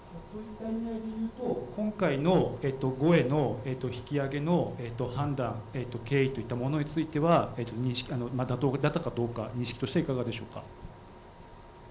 今回の５への引き上げの判断、経緯といったものについては認識としてはいかがでしょうか。